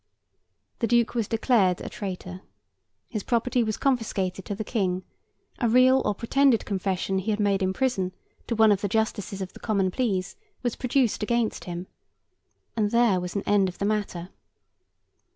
The Duke was declared a traitor, his property was confiscated to the King, a real or pretended confession he had made in prison to one of the Justices of the Common Pleas was produced against him, and there was an end of the matter.